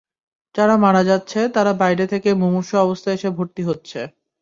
যারা মারা যাচ্ছে, তারা বাইরে থেকেই মুমূর্ষু অবস্থায় এসে ভর্তি হচ্ছে।